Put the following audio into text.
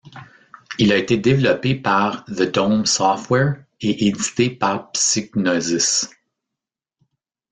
Il a été devéloppé par The Dome Software et édité par Psygnosis.